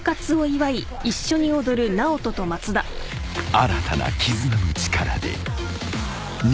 ［新たな絆の力で逃げ切れるか？］